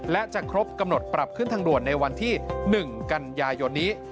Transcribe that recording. และจะครบกำหนดปรับขึ้นทางด่วนในวันที่๑กันยายนนี้